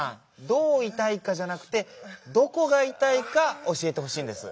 どういたいかじゃなくてどこがいたいかおしえてほしいんです。